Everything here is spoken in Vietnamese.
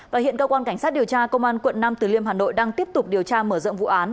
và hiện cơ quan cảnh sát điều tra công an quận nam từ liêm hà nội đang tiếp tục điều tra mở rộng vụ án